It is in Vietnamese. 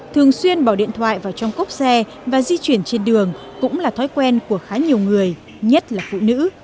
thường xuyên bỏ điện thoại vào trong cốc xe và di chuyển trên đường cũng là thói quen của khá nhiều người nhất là phụ nữ